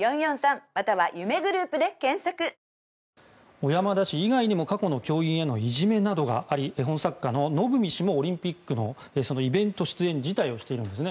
小山田氏以外にも過去の教員へのいじめなどがあり絵本作家ののぶみ氏もオリンピックのイベント出演の出場を辞退をしているんですね。